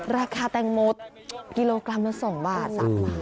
ราคาแตงโมกิโลกรัมละ๒๓บาท